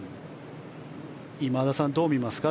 今田さん、どう見ますか。